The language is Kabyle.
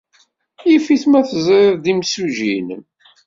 Yif-it ma teẓrid-d imsujji-nnem.